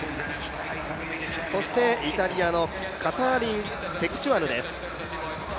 そしてイタリアのカターリン・テクチュアヌです。